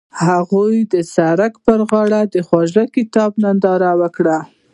هغوی د سړک پر غاړه د خوږ کتاب ننداره وکړه.